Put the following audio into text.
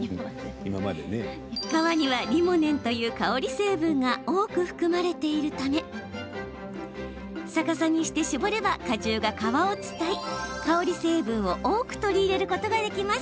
皮にはリモネンという香り成分が多く含まれているため逆さにして搾れば果汁が皮を伝い香り成分を多く取り入れることができます。